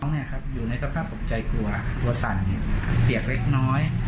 อยู่ในสภาพตกใจกลัวตัวสั่นเปียกเล็กน้อย